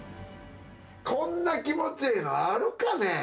こんな気持ちいいのあるかね。